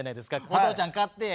「お父ちゃん買ってや」